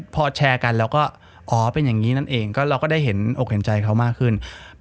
พอแชร์กันเราก็อ๋อเป็นอย่างนี้นั่นเองก็เราก็ได้เห็นอกเห็นใจเขามากขึ้น